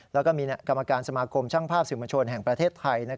แล้วก็มีกรรมการสมาคมช่างภาพสื่อมวลชนแห่งประเทศไทย